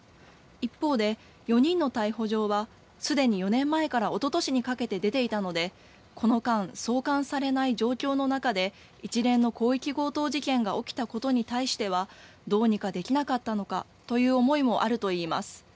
一方で、４人の逮捕状は、すでに４年前からおととしにかけて出ていたので、この間、送還されない状況の中で、一連の広域強盗事件が起きたことに対しては、どうにかできなかったのかという思いもあるといいます。